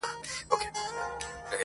• لکه چي مخکي وې هغسي خو جانانه نه يې.